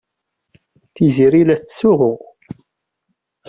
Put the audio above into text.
Tiziri la tettsuɣu.